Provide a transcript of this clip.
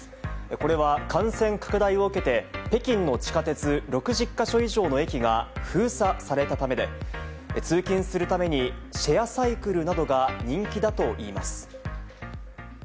これは感染拡大を受けて、北京の地下鉄６０か所以上の駅が封鎖されたためで、通勤するために、シェアサイクルなどが人気だといいます。